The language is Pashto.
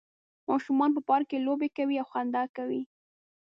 ماشومان په پارک کې لوبې کوي او خندا کوي